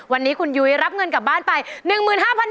วันนี้คุณยุ้ยรับเงินกลับบ้านไป๑๕๐๐บาท